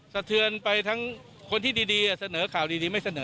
สะเทือนไปทั้งคนที่ดีเสนอข่าวดีไม่เสนอ